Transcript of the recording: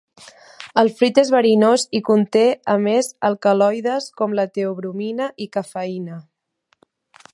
El fruit és verinós i conté a més alcaloides com la teobromina i cafeïna.